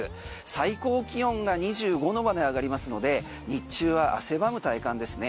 最高気温が２５度まで上がりますので日中は汗ばむ体感ですね。